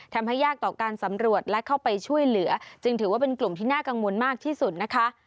ยากต่อการสำรวจและเข้าไปช่วยเหลือจึงถือว่าเป็นกลุ่มที่น่ากังวลมากที่สุดนะคะ